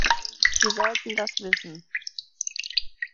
Wir sollten das wissen.